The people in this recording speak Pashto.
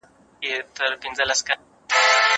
ولې موږ قوانین مراعات کوو؟